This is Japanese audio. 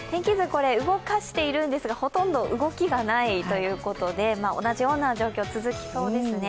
動かしているんですが、ほとんど動きがないということで、同じような状況、続きそうですね。